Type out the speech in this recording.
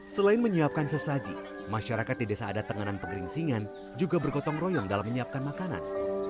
selain menyiapkan sesaji masyarakat di desa ada tenganan pegeringsingan juga bergotong royong dalam menyiapkan makanan